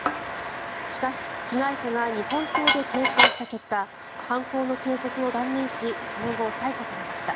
しかし被害者が日本刀で抵抗した結果犯行の継続を断念しその後、逮捕されました。